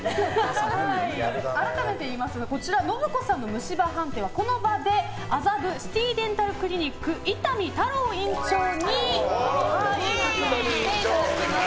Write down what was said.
改めて言いますが信子さんの虫歯判定はこの場で麻布シティデンタルクリニック伊丹太郎院長に診ていただきます。